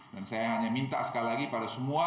saya hanya minta sekali lagi pada semua